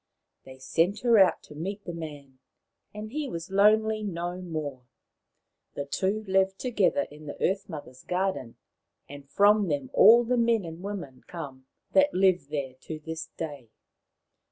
They sent her out to meet the man, and he was lonely no more. The two lived together in the Earth mother's garden, and from them have all the men and women come that live there to this day.